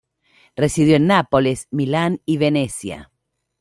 Residió en Nápoles, Milán y Venecia.